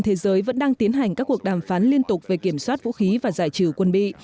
thế giới vẫn đang tiến hành các cuộc đàm phán liên tục về kiểm soát vũ khí và giải trừ quân bị